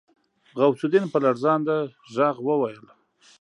غوث الدين په لړزانده غږ وويل.